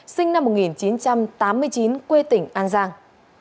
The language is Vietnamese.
sinh năm một nghìn chín trăm tám mươi chín quê tỉnh an giang